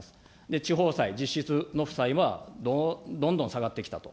地方債、実質負債はどんどん下がってきたと。